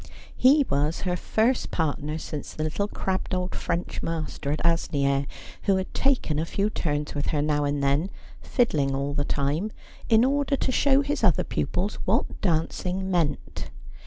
He was her first partner since the little crabbed old French master at Asnieres, who had taken a few turns with her now and then, fiddling all the time, in order to show his other pupils what dancing meant.